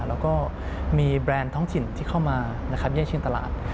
แล้วก็มีแบรนด์ท้องถิ่นที่เข้ามาแยกชื่นตลาด